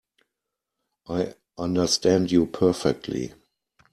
I understand you perfectly.